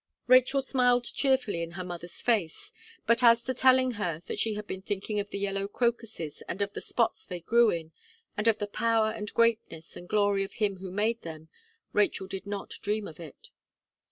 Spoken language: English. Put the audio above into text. Rachel smiled cheerfully in her mother's face. But as to telling her that she had been thinking of the yellow crocuses, and of the spots they grew in, and of the power and greatness and glory of Him who made them, Rachel did not dream of it.